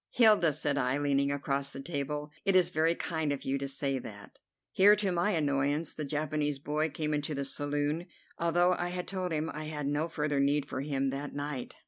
"Hilda," said I, leaning across the table, "it is very kind of you to say that." Here, to my annoyance, the Japanese boy came into the saloon, although I had told him I had no further need for him that night.